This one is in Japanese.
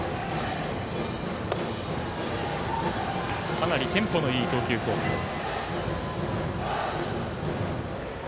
かなりテンポのいい投球フォームです。